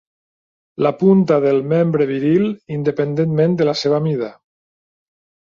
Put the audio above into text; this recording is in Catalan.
La punta del membre viril, independentment de la seva mida.